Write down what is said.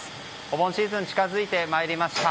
お盆シーズン近づいてまいりました。